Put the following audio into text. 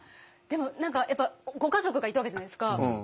でも何かやっぱご家族がいたわけじゃないですか。